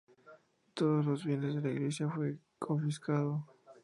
Todos los bienes de la Iglesia fue confiscado.